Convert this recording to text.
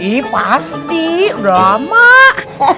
iya pasti udah mak